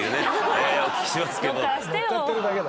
ええお聞きしてますけど。